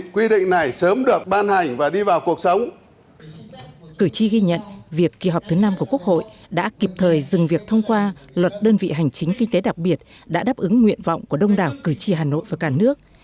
cử tri ghi nhận việc kỳ họp thứ năm của quốc hội đã kịp thời dừng việc thông qua luật đơn vị hành chính kinh tế đặc biệt đã đáp ứng nguyện vọng của đông đảo cử tri hà nội và cả nước